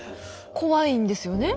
怖いんですよね？